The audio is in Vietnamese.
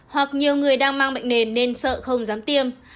hoặc nhiều người đang mang bệnh nền nên sợ không dám tiêm